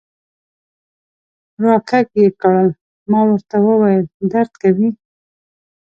را کږ یې کړل، ما ورته وویل: درد کوي.